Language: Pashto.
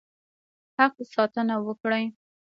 حق ساتنه وکړي.